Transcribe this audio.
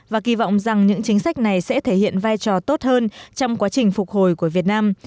và kỳ vọng rằng những chính sách này sẽ thể hiện vai trò tốt hơn trong quá trình phục hồi của việt nam